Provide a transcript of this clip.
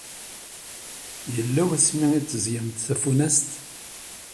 Yella wasmi i teẓẓgemt tafunast?